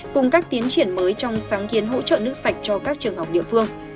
cùng các tiến triển mới trong sáng kiến hỗ trợ nước sạch cho các trường học địa phương